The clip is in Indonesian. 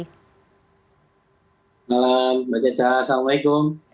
selamat malam mbak ceca assalamualaikum